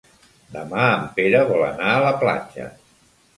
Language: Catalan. Demà en Pere vol anar a la platja.